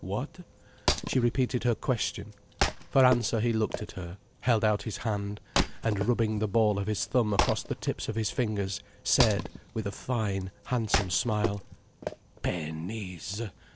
"What?" She repeated her question. For answer, he looked at her, held out his hand, and rubbing the ball of his thumb across the tips of his fingers, said, with a fine, handsome smile: "Pennies!